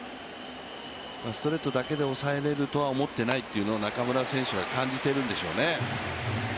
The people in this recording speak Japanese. ストレートだけで抑えられると思っていないと中村選手は感じているんでしょうね。